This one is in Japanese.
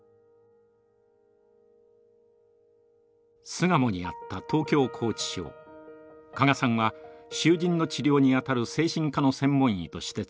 巣鴨にあった東京拘置所加賀さんは囚人の治療に当たる精神科の専門医として勤めます。